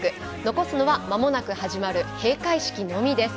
残すのはまもなく始まる閉会式のみです。